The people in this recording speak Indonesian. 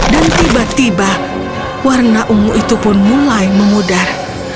tiba tiba warna ungu itu pun mulai memudar